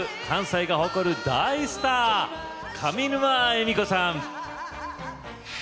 関西が誇る大スター上沼恵美子さん。